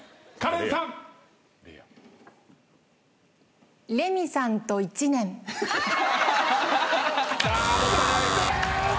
「レミさんと１年」が。